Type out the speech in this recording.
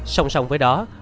song song với đó